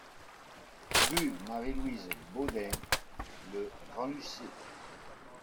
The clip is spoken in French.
Rue Marie Louise Bodin, Le Grand-Lucé